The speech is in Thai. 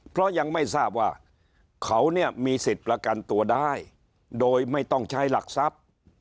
เพราะยังไม่ทราบว่าเขาเนี่ยมีสิทธิ์ประกันตัวได้โดยไม่ต้องใช้หลักทรัพย์